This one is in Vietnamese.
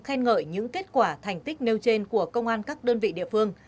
khen ngợi những kết quả thành tích nêu trên của công an các đơn vị địa phương